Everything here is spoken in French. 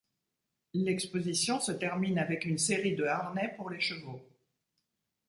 L'exposition se termine avec une série de harnais pour les chevaux.